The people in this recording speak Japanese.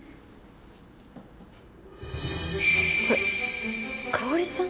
これ香織さん！？